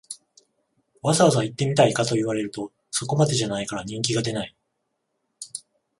わざわざ行ってみたいかと言われると、そこまでじゃないから人気が出ない